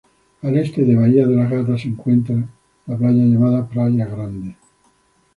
Al este de Bahía de las Gatas se encuentra la playa llamada "Praia Grande".